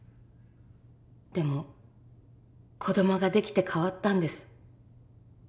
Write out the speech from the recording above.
でも子どもができて変わったんです。